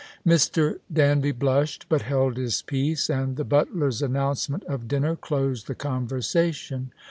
Mr. Danby blushed, but held his peace, and the butler's announcement of dinner closed the conversation.